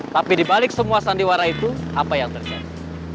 tapi dibalik semua sandiwara itu apa yang terjadi